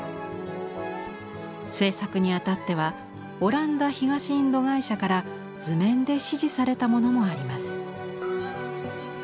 制作にあたってはオランダ東インド会社から図面で指示されたものもあります。